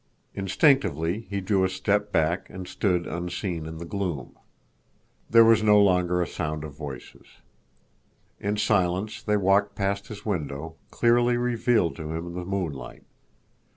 Instinctively he drew a step back and stood unseen in the gloom. There was no longer a sound of voices. In silence they walked past his window, clearly revealed to him in the moonlight.